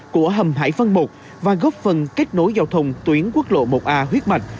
của hầm hải vân một và góp phần kết nối giao thông tuyến quốc lộ một a huyết mạch